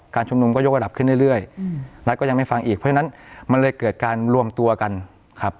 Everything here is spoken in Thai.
ชุมนุมก็ยกระดับขึ้นเรื่อยแล้วก็ยังไม่ฟังอีกเพราะฉะนั้นมันเลยเกิดการรวมตัวกันครับ